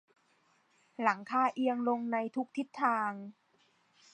หลังคาเอียงลงในทุกทิศทาง